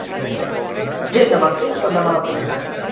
Gent de martell són de mala pell.